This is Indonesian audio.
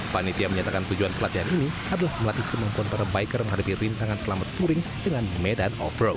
panitia menyatakan tujuan pelatihan ini adalah melatih kemampuan para biker menghadapi rintangan selamat touring dengan medan off road